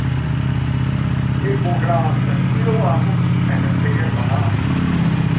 Ik wol graach in kilo apels en in pear bananen.